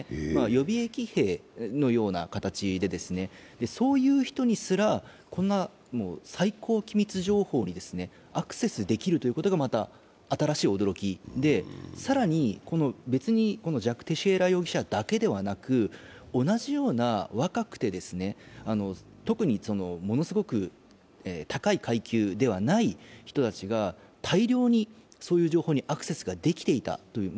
予備役兵のような形で、そういう人にすら、こんな最高機密情報にアクセスできるということがまた新しい驚きで、更に、別にジャック・テシエラ容疑者だけではなく、同じような若くて特にものすごく高い階級ではない人たちが大量にそういう情報にアクセスができていたという。